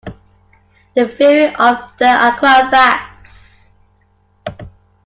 The Fury of The Aquabats!